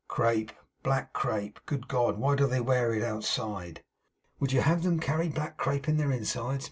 'Crape! Black crape! Good God! why do they wear it outside?' 'Would you have 'em carry black crape in their insides?